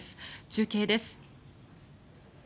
中継です。